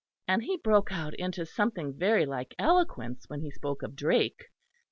And he broke out into something very like eloquence when he spoke of Drake.